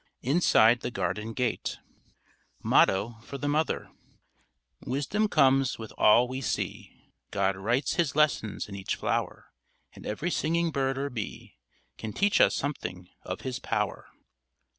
INSIDE THE GARDEN GATE MOTTO FOR THE MOTHER _Wisdom comes with all we see, God writes His lessons in each flower, And ev'ry singing bird or bee Can teach us something of His power_.